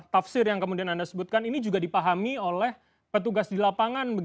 tafsir yang kemudian anda sebutkan ini juga dipahami oleh petugas di lapangan